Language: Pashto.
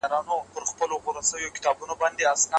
د لیکلو سرعت د عمر په تیریدو زیاتیږي.